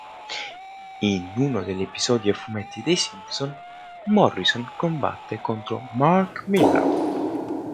In uno degli episodi a fumetti dei Simpsons, Morrison combatte contro Mark Millar.